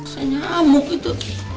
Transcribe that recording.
saya nyamuk itu